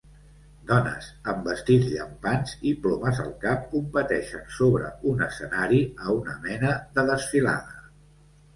Dones amb vestits llampants i plomes al cap competeixen sobre un escenari a una mena de desfilada.